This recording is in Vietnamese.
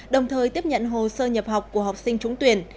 đồng thời tiếp nhận hồ sơ nhập học của học sinh trúng tuyển